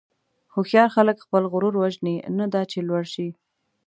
هوښیار خلک خپل غرور وژني، نه دا چې لوړ شي.